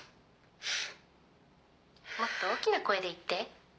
もっと大きな声で言って。